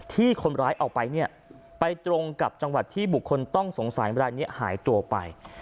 ที่คนร้ายเอาไปเนี่ยไปตรงกับจังหวัดที่บุคคลต้องสงสัยรายนี้หายตัวไป